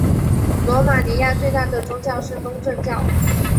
罗马尼亚最大的宗教是东正教。